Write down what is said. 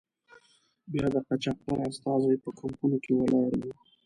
بیا د قاچاقبر استازی په کمپونو کې ولاړ وي.